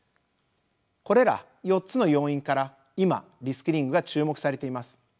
これら４つの要因から今リスキリングが注目されています。